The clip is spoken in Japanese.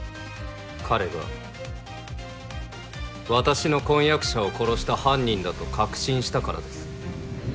彼が私の婚約者を殺した犯人だと確信したからです。